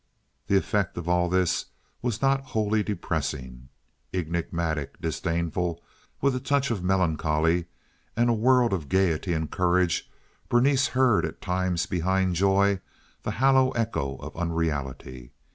The effect of all this was not wholly depressing. Enigmatic, disdainful, with a touch of melancholy and a world of gaiety and courage, Berenice heard at times behind joy the hollow echo of unreality.